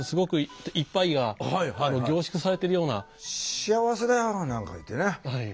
幸せだよなんか言ってね。